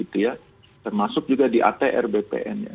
termasuk juga di atr bpn nya